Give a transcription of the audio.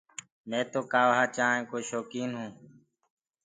مي تو ڪآوآ چآنه ڪو شوڪين تو